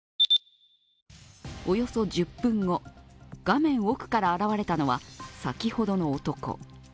およそ１０分後、画面奥から現れたのは先ほどの男。